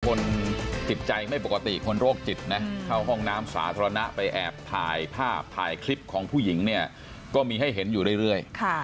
คนจิตใจไม่ปกติคนโรคจิตนะเข้าห้องน้ำสาธารณะไปแอบถ่ายภาพถ่ายคลิปของผู้หญิงเนี่ยก็มีให้เห็นอยู่เรื่อย